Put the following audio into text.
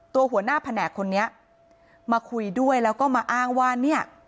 หัวหน้าแผนกคนนี้มาคุยด้วยแล้วก็มาอ้างว่าเนี่ย